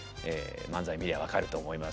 漫才見りゃ分かると思います。